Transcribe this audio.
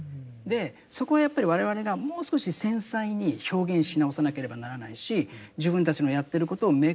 そこはやっぱり我々がもう少し繊細に表現し直さなければならないし自分たちのやってることを明確に語っていく。